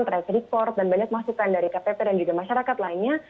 trade report dan banyak masukan dari kpp dan juga masyarakat lainnya